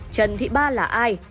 trần thị ba là ai